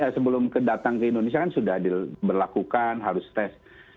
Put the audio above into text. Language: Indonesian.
sebelum datang ke indonesia kan sudah diberlakukan harus tes